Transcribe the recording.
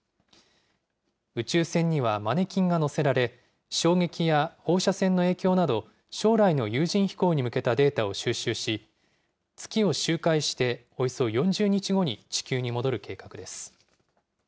宇宙船にはマネキンが載せられ、衝撃や放射線の影響など、将来の有人飛行に向けたデータを収集し、月を周回しておよそ４０日後に地球に戻る計画です。